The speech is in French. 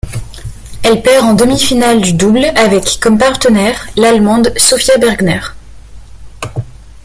Elle perd en demi-finale du double avec comme partenaire l'Allemande Sophia Bergner.